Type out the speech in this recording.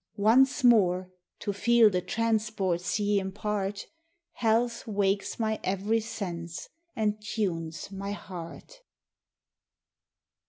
Once more, to feel the transports ye impart, Health wakes my every sense and tunes my heart.